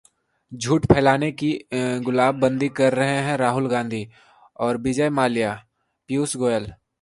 झूठ फैलाने की जुगलबंदी कर रहे हैं राहुल गांधी और विजय माल्या: पीयूष गोयल